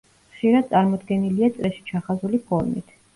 ხშირად წარმოდგენილია წრეში ჩახაზული ფორმით.